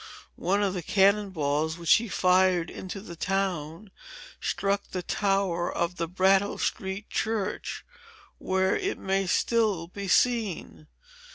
One of the cannon balls which he fired into the town, struck the tower of the Brattle Street church, where it may still be seen.